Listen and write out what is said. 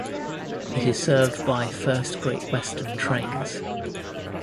It is served by First Great Western trains.